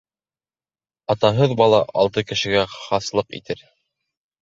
Атаһыҙ бала алты кешегә хаслыҡ итер.